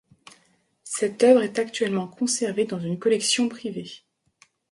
Cette œuvre est actuellement conservée dans une collection privée.